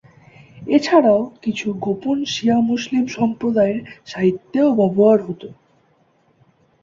এছাড়াও কিছু গোপন শিয়া মুসলিম সম্প্রদায়ের সাহিত্যেও ব্যবহার হত।